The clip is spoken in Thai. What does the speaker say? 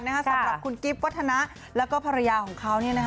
สำหรับคุณกิฟต์วัฒนะแล้วก็ภรรยาของเขา